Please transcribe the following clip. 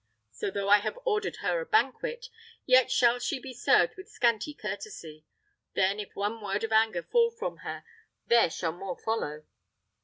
So, though I have ordered her a banquet, yet shall she be served with scanty courtesy; then, if one word of anger fall from her, there shall more follow."